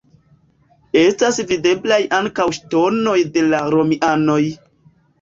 Estas videblaj ankaŭ ŝtonoj de la romianoj.